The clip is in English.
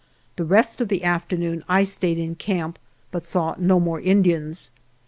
The rest of the afternoon I stayed in camp, but saw no more Indians.